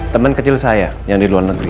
teman kecil saya yang di luar negeri